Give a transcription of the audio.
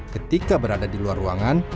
ketika berada di luar ruangan